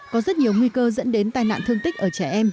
có rất nhiều nguy cơ dẫn đến tai nạn thương tích ở trẻ em